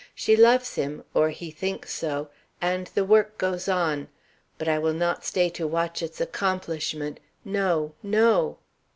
She loves him or he thinks so and the work goes on. But I will not stay to watch its accomplishment. No, no.